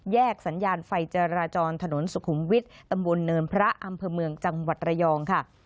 สัญญาณไฟจราจรถนนสุขุมวิทย์ตำบลเนินพระอำเภอเมืองจังหวัดระยองค่ะ